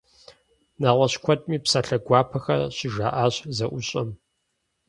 Нэгъуэщӏ куэдми псалъэ гуапэхэр щыжаӏащ зэӏущӏэм.